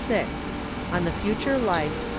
6 On the Future Life .